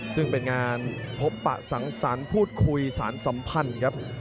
ซึ่งเป็นงานพบปะสังสรรค์พูดคุยสารสัมพันธ์ครับ